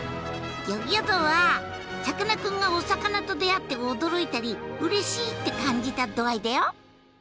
ギョギョ度はさかなクンがお魚と出会って驚いたりうれしいって感じた度合いだよ！